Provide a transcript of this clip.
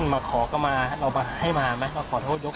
มาขอก็มาเราให้มาไหมมาขอโทษยก